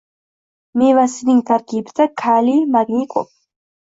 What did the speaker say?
Mevasining tarkibida kaliy, magniy ko'p